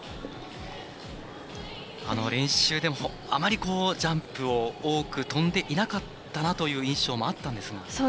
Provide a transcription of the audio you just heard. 練習でもあまりジャンプを多く跳んでいなかったなという印象もあったんですが。